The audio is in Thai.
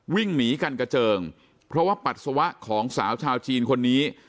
วิ่งหนีกันกระเจิงเพราะว่าปัสสาวะของสาวชาวจีนคนนี้